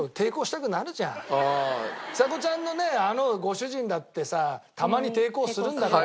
ちさ子ちゃんのあのご主人だってさたまに抵抗するんだから。